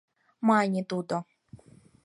- мане тудо.